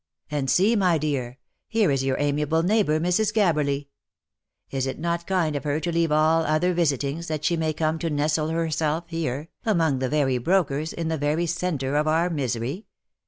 And see, my dear, here is your amiable neighbour Mrs. Gabberly ! Is it not kind of her to leave all other visitings, that she may come to nestle herself here, among the very brokers, in the very centre of our misery?